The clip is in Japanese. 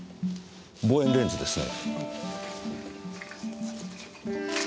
望遠レンズですね。